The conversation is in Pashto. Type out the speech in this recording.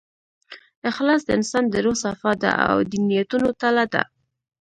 اخلاص د انسان د روح صفا ده، او د نیتونو تله ده.